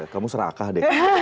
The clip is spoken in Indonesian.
kamu serakah deh